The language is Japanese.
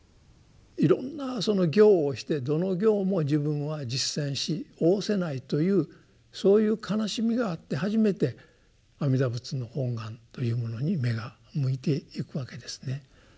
いろんな行をしてどの行も自分は実践し果せないというそういう悲しみがあって初めて阿弥陀仏の本願というものに目が向いていくわけですね。